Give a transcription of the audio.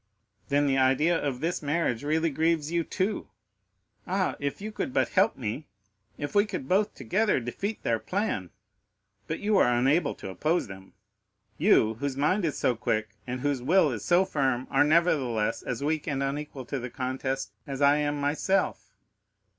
"Then the idea of this marriage really grieves you too? Ah, if you could but help me—if we could both together defeat their plan! But you are unable to oppose them,—you, whose mind is so quick, and whose will is so firm are nevertheless, as weak and unequal to the contest as I am myself.